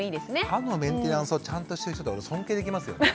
歯のメンテナンスをちゃんとしてる人って俺尊敬できますよね。